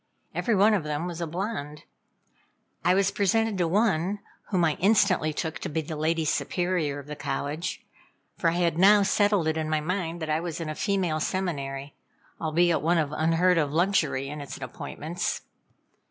Every one of them was a blonde. I was presented to one, whom I instantly took to be the Lady Superior of the College, for I had now settled it in my mind that I was in a female seminary, albeit one of unheard of luxury in its appointments.